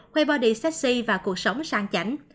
quay body sexy và cuộc sống sang chảnh